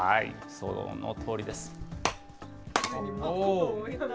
そのとおりです。